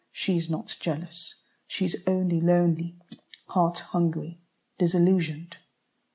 She is not jealous, she is only lonely, heart hungry, disillusioned.